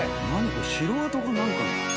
これ城跡か何かなの？